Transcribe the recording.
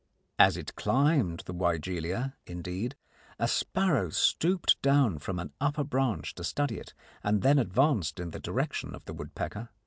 As it climbed the wygelia, indeed, a sparrow stooped down from an upper branch to study it, and then advanced in the direction of the woodpecker.